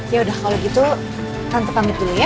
ya udah kalau gitu tante pamit dulu ya